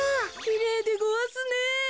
きれいでごわすね。